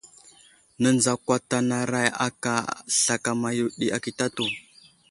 Nənzakwatanaray aka slakama yo ɗi akitatu.